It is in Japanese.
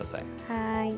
はい。